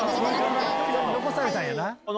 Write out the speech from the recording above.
残されたんやな。